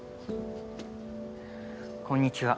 こんにちは。